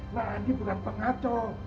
nah andi bukan pengacau